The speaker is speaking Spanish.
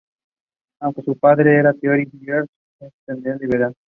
Aunque su padre era Tory, George fue de tendencia liberal.